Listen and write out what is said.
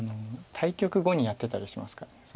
対局後にやってたりしますから。